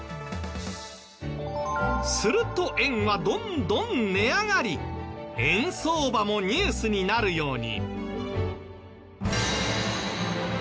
すると円はどんどん値上がり円相場もニュースになるように。